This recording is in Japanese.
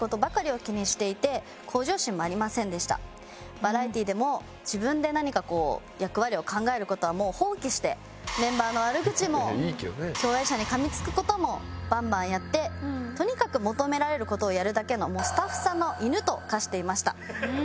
バラエティでも自分で何かこう役割を考える事はもう放棄してメンバーの悪口も共演者に噛み付く事もバンバンやってとにかく求められる事をやるだけのスタッフさんの犬と化していました。